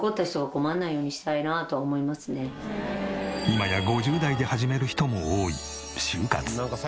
今や５０代で始める人も多い終活。